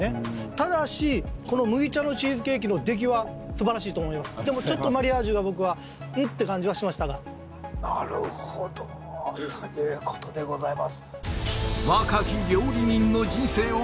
ただしこの麦茶のチーズケーキの出来はすばらしいと思いますでもちょっとマリアージュが僕はん？って感じはしましたがなるほどということでございます若き料理人の人生を懸けたコース